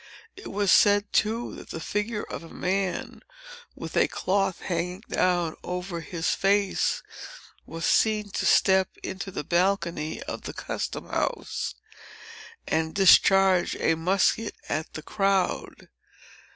It was said, too, that the figure of a man with a cloth hanging down over his face, was seen to step into the balcony of the custom house, and discharge a musket at the crowd.